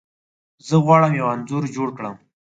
زه غواړم یو انځور جوړ کړم.